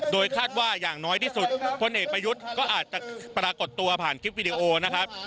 โดยคาดว่าอย่างน้อยที่สุดพลเอกประยุทธ์ก็อาจจะปรากฏตัวผ่านคลิปวิดีโอนะครับ